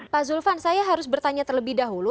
pak zulfan saya harus bertanya terlebih dahulu